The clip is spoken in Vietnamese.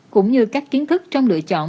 cũng như các kiến thức trong lựa chọn